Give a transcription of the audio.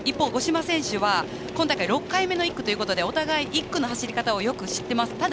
五島選手は今大会６回目の１区ということでお互い１区の走り方をよく知っています。